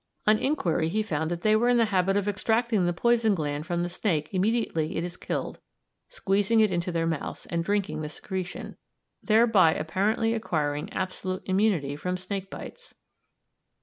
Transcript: On inquiry he found that they were in the habit of extracting the poison gland from the snake immediately it is killed, squeezing it into their mouths and drinking the secretion, thereby apparently acquiring absolute immunity from snake bites.